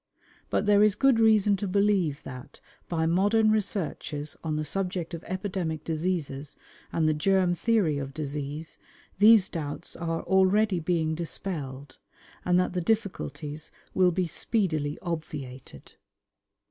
But there is good reason to believe that, by modern researches on the subject of epidemic diseases and the germ theory of disease, these doubts are already being dispelled, and that the difficulties will be speedily obviated.